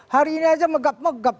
hari ini aja megap megap